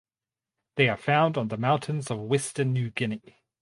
They are found on the mountains of western New Guinea.